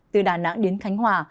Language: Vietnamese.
từ đà nẵng đến khánh hòa